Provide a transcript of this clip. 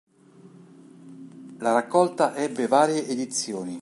La raccolta ebbe varie edizioni.